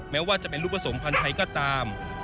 แม้ว่าจะเป็นรูปผสมพันธ์ไทยก็ตาม